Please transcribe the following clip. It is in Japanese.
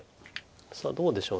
さあどうでしょう。